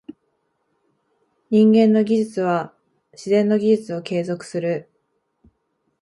人間の技術は自然の技術を継続する。